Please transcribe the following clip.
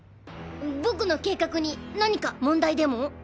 僕の計画に何か問題でも？